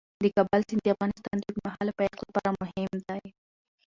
د کابل سیند د افغانستان د اوږدمهاله پایښت لپاره مهم دی.